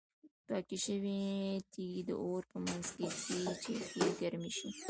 پاکې شوې تیږې د اور په منځ کې ږدي چې ښې ګرمې شي.